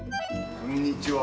こんにちは。